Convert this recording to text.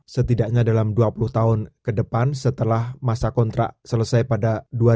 setidaknya dalam dua puluh tahun ke depan setelah masa kontrak selesai pada dua ribu dua puluh